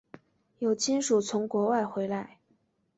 有亲属从国外回来